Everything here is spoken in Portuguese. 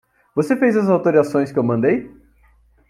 Você fez as alterações que eu mandei?